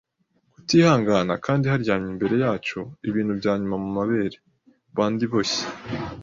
kutihangana, kandi haryamye imbere yacu, ibintu byanyuma mumabere, bundle iboshye